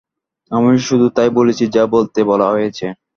আমি শুধু তাই বলেছি যা বলতে বলা হয়েছে।